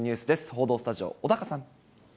報道スタジオ、小高さん。